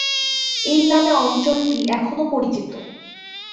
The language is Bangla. এই নামে অঞ্চলটি এখনও পরিচিত।